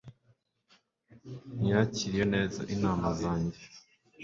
Ntiyakiriye neza inama zanjye